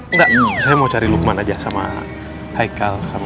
enggak saya mau cari lukman aja sama haikal